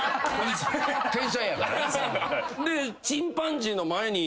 天才やから。